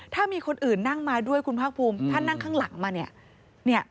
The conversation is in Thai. ถ้ามีคนอื่นนั่งมาด้วยคุณภาคภูมิถ้านั่งข้างหลังมาเนี่ย